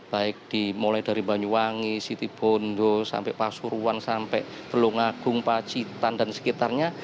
baik dimulai dari banyuwangi siti bondo sampai pasuruan sampai belungagung pacitan dan sekitarnya